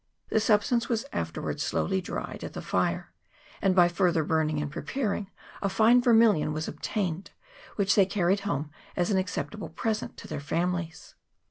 This substance was afterwards slowly dried at the fire, and, by further burning and preparing, a fine vermilion was obtained, which they carried home as an acceptable present to their families.